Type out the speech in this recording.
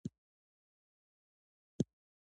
یو وخت به دا ټولې مځکې یوازې ما په خپله پاللې.